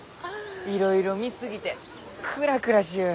いろいろ見過ぎてクラクラしゆう。